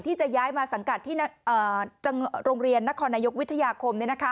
ที่จะย้ายมาสังกัดที่โรงเรียนนครนายกวิทยาคม